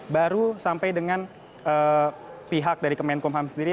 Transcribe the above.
baru sampai dengan pihak dari kemenkum ham sendiri